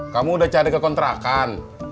kamu udah cari ke kontrakan